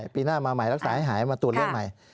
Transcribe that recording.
ปีหน้ามาใหม่รักษาให้หายมาตรวจเลือดใหม่